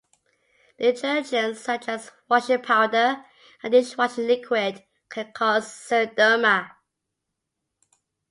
Detergents such as washing powder and dishwashing liquid can cause xeroderma.